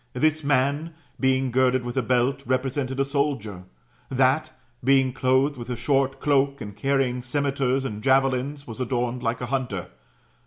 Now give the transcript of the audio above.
This man being girded with a belt, represented a soldier ; that, being clothed with a short cloak, and carrying cimeters and javelins, was adorned like a hunter.